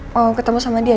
mau ketemu sama dia